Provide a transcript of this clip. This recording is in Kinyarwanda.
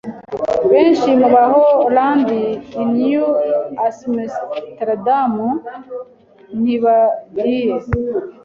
Benshi mu Baholandi i New Amsterdam ntibagiye.